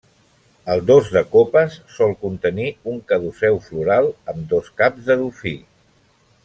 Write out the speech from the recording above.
El dos de copes sol contenir un caduceu floral amb dos caps de dofí.